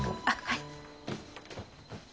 あっはい。